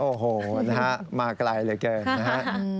โอ้โหนะฮะมาไกลเหลือเกินนะฮะ